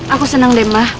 aku senang deh mbak